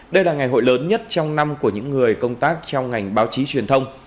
đây là ngày hội lớn nhất trong năm của những người công tác trong ngành báo chí truyền thông